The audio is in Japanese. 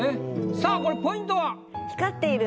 さあこれポイントは？